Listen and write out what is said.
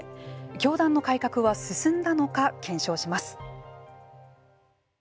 教団の改革は進んだのか検証します。